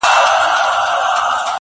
تا له خبرې ډېرې، ما له قربانى راغله